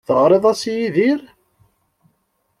Teɣrid-as i Yidir?